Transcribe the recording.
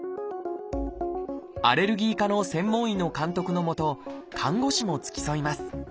アレルギー科の専門医の監督の下看護師も付き添います。